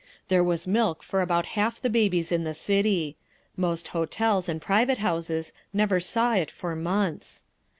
There was milk for about half the babies in the city; most hotels and private houses never saw it for months.